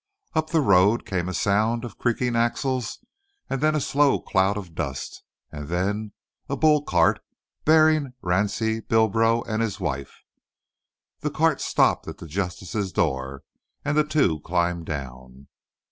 Up the road came a sound of creaking axles, and then a slow cloud of dust, and then a bull cart bearing Ransie Bilbro and his wife. The cart stopped at the Justice's door, and the two climbed down.